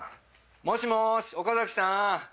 もしもし岡崎さん。